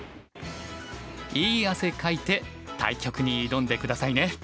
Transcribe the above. いい汗かいて対局に挑んで下さいね！